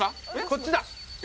こっちだ！